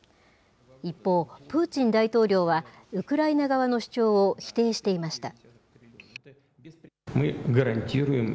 一方、プーチン大統領はウクライナ側の主張を否定していました。